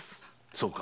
そうか。